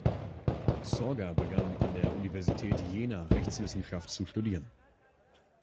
Sorger begann an der Universität Jena Rechtswissenschaft zu studieren.